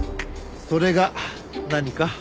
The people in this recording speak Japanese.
それが何か？